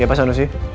ya pak sanusi